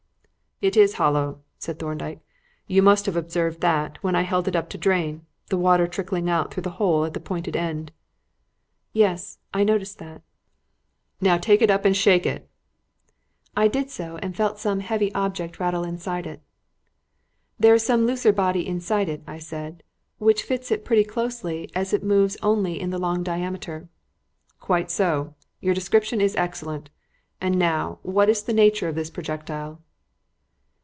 "It is hollow," said Thorndyke. "You must have observed that, when I held it up to drain, the water trickled out through the hole at the pointed end." "Yes, I noticed that." "Now take it up and shake it." I did so and felt some heavy object rattle inside it. "There is some loose body inside it," I said, "which fits it pretty closely, as it moves only in the long diameter." "Quite so; your description is excellent. And now, what is the nature of this projectile?"